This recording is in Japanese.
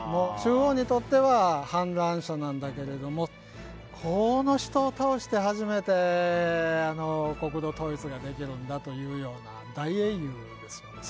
中央にとっては反乱者なんだけれどもこの人を倒して初めて国土統一ができるんだというような大英雄ですよね。